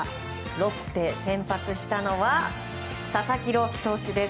ロッテ、先発したのは佐々木朗希投手です。